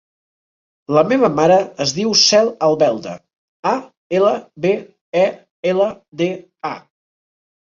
La meva mare es diu Cel Albelda: a, ela, be, e, ela, de, a.